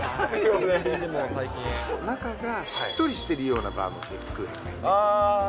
中がしっとりしてるようなバームクーヘンがいいね。